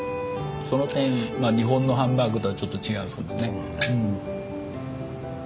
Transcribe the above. その点日本のハンバーグとはちょっと違うんですけどね。